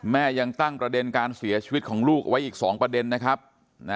แม่ยังตั้งประเด็นการเสียชีวิตของลูกไว้อีก๒ประเด็น